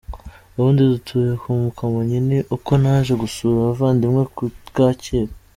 Ubundi dutuye ku Kamonyi ni uko naje gusura abavandimwe ku Kacyiru.